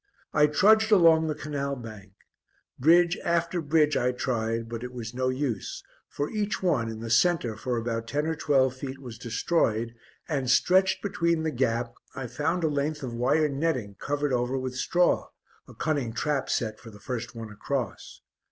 I trudged along the canal bank; bridge after bridge I tried, but it was no use, for each one in the centre for about ten or twelve feet was destroyed and, stretched between the gap, I found a length of wire netting covered over with straw a cunning trap set for the first one across.